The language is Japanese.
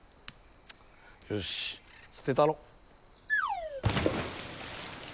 よし捨てたろ。